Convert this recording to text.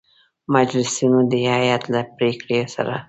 مجلسینو د هیئت له پرېکړې سـره